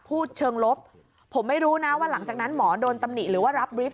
พูดเชิงลบผมไม่รู้นะว่าหลังจากนั้นหมอโดนตำหนิหรือว่ารับบริฟท